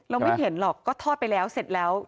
ไม่เห็นหรอกก็ทอดไปแล้วเสร็จแล้ว